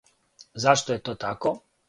Зашто је то тако?